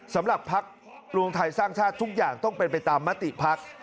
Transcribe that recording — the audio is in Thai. สำหรับพักรวมไทยสร้างชาติทุกอย่างต้องเป็นไปตามมติภักดิ์